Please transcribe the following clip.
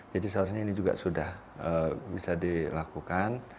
jadi seharusnya ini juga sudah bisa dilakukan